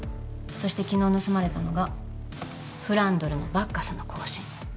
そして昨日盗まれたのがフランドルの「バッカスの行進」